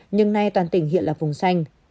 nhưng nay toàn tỉnh hiện là vùng xanh